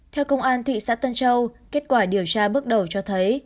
theo công an thị xã tân châu kết quả điều tra bước đầu cho thấy